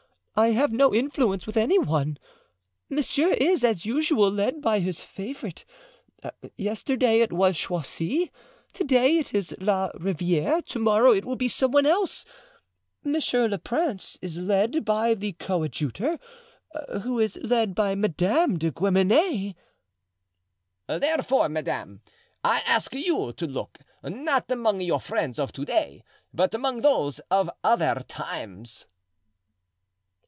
I have no influence with any one. Monsieur is, as usual, led by his favorite; yesterday it was Choisy, to day it is La Riviere, to morrow it will be some one else. Monsieur le Prince is led by the coadjutor, who is led by Madame de Guemenee." "Therefore, madame, I ask you to look, not among your friends of to day, but among those of other times."